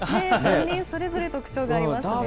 ３人それぞれ特徴がありますよね。